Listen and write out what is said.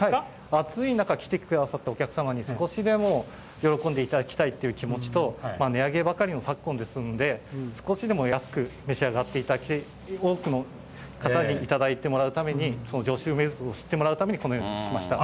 暑い中、来てくださった皆様に少しでも喜んでいただきたいという気持ちと、値上げばかりの昨今ですんで、少しでも安く召し上がっていただき、多くの方に頂いてもらうために、上州名物を知っていただくためにこのようにしました。